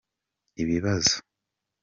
ibibazo.